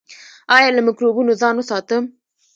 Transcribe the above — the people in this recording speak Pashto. ایا له مکروبونو ځان وساتم؟